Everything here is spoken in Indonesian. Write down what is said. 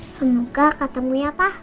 semoga ketemu ya pa